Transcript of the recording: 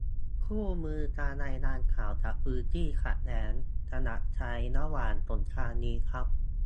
คู่มือการรายงานข่าวจากพื้นที่ขัดแย้ง - สำหรับใช้ระหว่างสงกรานต์นี้ครับ